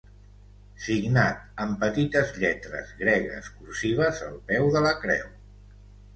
Signat amb petites lletres gregues cursives al peu de la Creu.